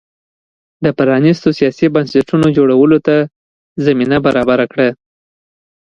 د پرانیستو سیاسي بنسټونو جوړولو ته زمینه برابره کړه.